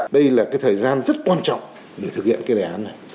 đây là cái thời gian rất quan trọng để thực hiện cái đề án này